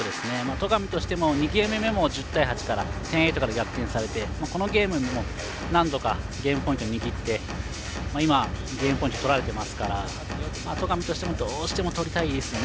戸上としても２ゲーム目も１０対８から逆転されてこのゲームも何度か、ゲームポイント握って今、ゲームポイント取られてますから戸上としてもどうしても取りたいですよね。